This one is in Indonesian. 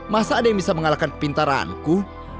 masa ada yang bisa mengalahkan kepintaranku